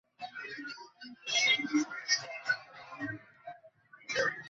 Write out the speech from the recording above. এতে গুরুতর আহত শেখ কুদ্দুসকে ফরিদপুর মেডিকেল কলেজ হাসপাতাল নেওয়া হয়।